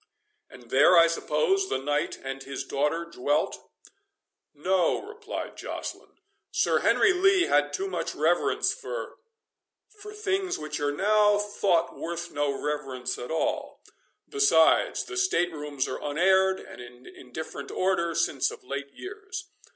"And there, I suppose, the knight and his daughter dwelt?" "No," replied Joceline; "Sir Henry Lee had too much reverence for—for things which are now thought worth no reverence at all—Besides, the state rooms are unaired, and in indifferent order, since of late years.